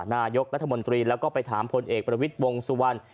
นายกรัฐมนตรีแล้วก็ไปถามพลเอกประวิทย์วงสุวรรณ